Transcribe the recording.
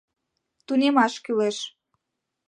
Тунемаш кӱлеш